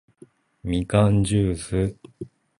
みかんじゅーす